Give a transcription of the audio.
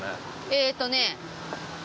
えっとね。